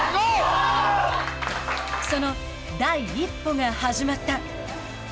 その第一歩が始まった。